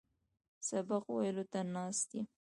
سبق ویلو ته ناست یم.